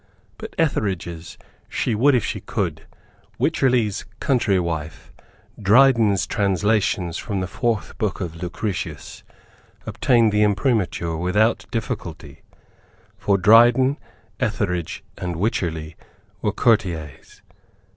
But Etherege's She Would If She Could, Wycherley's Country Wife, Dryden's Translations from the Fourth Book of Lucretius, obtained the Imprimatur without difficulty; for Dryden, Etherege and Wycherley were courtiers.